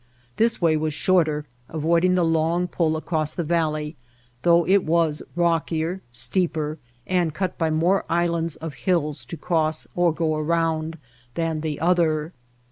This way was shorter, avoiding the long pull across the valley, though it was rockier, steeper, and cut by more islands of hills to cross or go around than the other.